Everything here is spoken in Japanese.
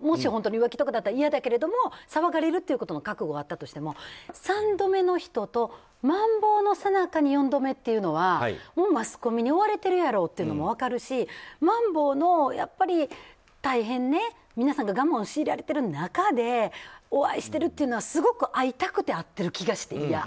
もし本当に浮気とかだったら嫌だけど騒がれる覚悟があったとしても３度目の人と、まん防のさなかに４度目というのはマスコミに追われているやろうというのも分かるし、まん防の大変皆さんが我慢を強いられてる中でお会いしているというのはすごく会いたくて会っている気がして、いや。